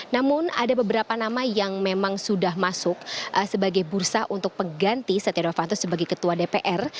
namun ada beberapa nama yang memang sudah masuk sebagai bursa untuk pengganti setia novanto sebagai ketua dpr